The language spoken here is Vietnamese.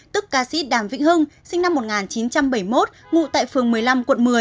tức ca sĩ đàm vĩnh hưng sinh năm một nghìn chín trăm bảy mươi một ngụ tại phường một mươi năm quận một mươi